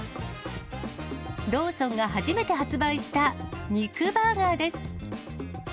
ローソンが初めて発売した肉バーガーです。